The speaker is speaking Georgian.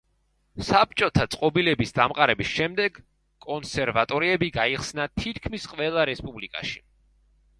საბჭოთა წყობილების დამყარების შემდეგ კონსერვატორიები გაიხსნა თითქმის ყველა რესპუბლიკაში.